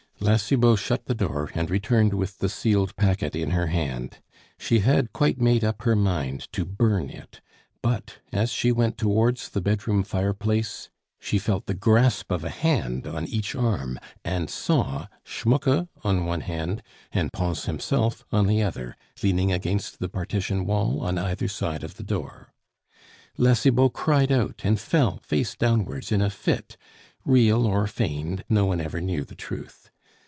La Cibot shut the door and returned with the sealed packet in her hand. She had quite made up her mind to burn it; but as she went towards the bedroom fireplace, she felt the grasp of a hand on each arm, and saw Schmucke on one hand, and Pons himself on the other, leaning against the partition wall on either side of the door. La Cibot cried out, and fell face downwards in a fit; real or feigned, no one ever knew the truth.